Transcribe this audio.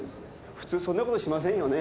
普通そんなことしませんよね。